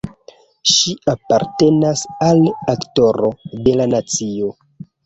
Ŝi apartenas al Aktoro de la nacio.